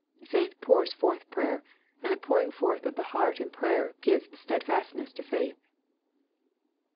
Faith pours forth prayer ; and the pouring forth oFthe heart in prayer, gi vcs stead fastness to faith."